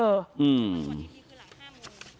อืม